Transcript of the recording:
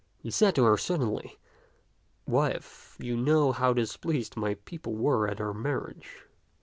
He said to her suddenly, " Wife, you know how displeased my people were at our marriage.